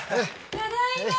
・ただいま。